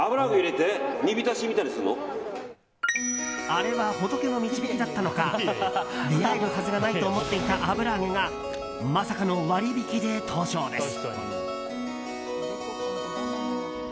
あれは仏の導きだったのか出会えるはずがないと思っていた油揚げがまさかの割引で登場です。